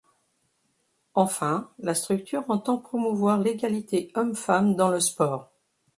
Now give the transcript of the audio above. Enfin, la structure entend promouvoir l'égalité homme-femme dans le sport.